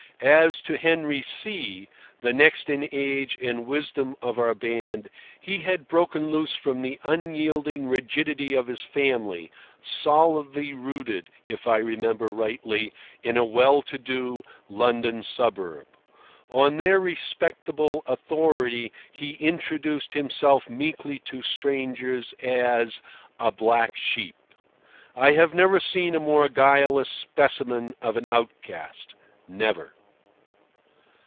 As to Henry C—, the next in age and wisdom of our band, he had broken loose from the unyielding rigidity of his family, solidly rooted, if I remember rightly, in a well to do London suburb. On their respectable authority he introduced himself meekly to strangers as a "black sheep." I have never seen a more guileless specimen of an outcast. Never.